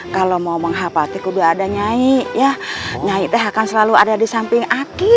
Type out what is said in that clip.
kalau mau menghapati kudu adanya iya nyai teh akan selalu ada di samping aki